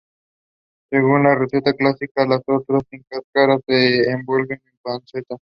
Según la receta clásica, las ostras sin cáscara se envuelven en panceta.